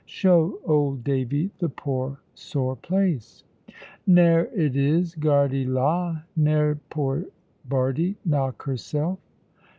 Show old Davy the poor sore place." "Nare it is. Gardy là! nare poor Bardie knock herself."